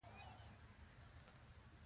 د پارکونو ښکلا وساتئ.